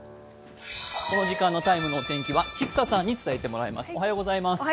この時間の「ＴＩＭＥ，」のお天気は千種さんに伝えてもらいます。